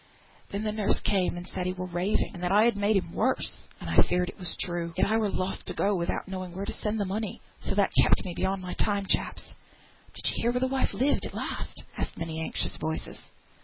Then the nurse came, and said he were raving, and that I had made him worse. And I'm afeard it was true; yet I were loth to go without knowing where to send the money. ... So that kept me beyond my time, chaps." "Did yo hear where the wife lived at last?" asked many anxious voices.